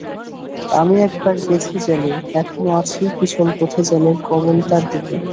আমি একবার গেছি জেলে, এখনো আছি পিছল পথে জেলের কবলটার দিকে।